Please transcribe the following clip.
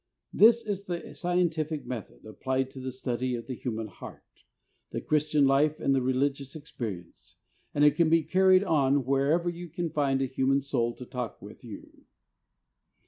This is the scientific method applied to the study of the human heart, the Christian life and religious experience, and it can be carried on wher ever you can find a human soul to talk with you.